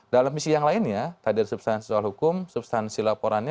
dalam misi yang lainnya tadi dari substansi soal hukum substansi laporannya